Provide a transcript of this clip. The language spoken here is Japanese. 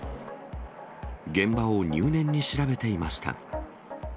現場を入念に調べていました。